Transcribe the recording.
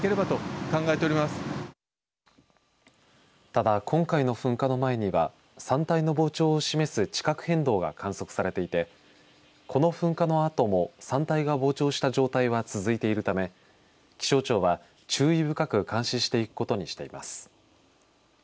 ただ今回の噴火の前には山体の膨張を示す地殻変動が観測されていてこの噴火のあとも山体が膨張した状態は続いているため気象庁は注意深く監視していくことにしています。